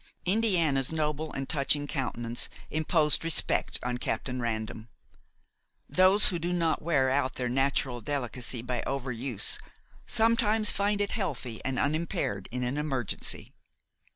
Indiana's noble and touching countenance imposed respect on Captain Random. Those who do not wear out their natural delicacy by over use sometimes find it healthy and unimpaired in an emergency.